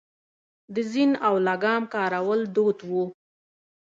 د زین او لګام کارول دود و